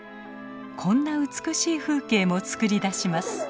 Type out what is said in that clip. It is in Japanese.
こんな美しい風景も作り出します。